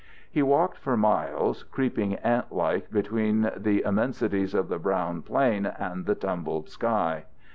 He walked for miles, creeping ant like between the immensities of the brown plain and the tumbled sky.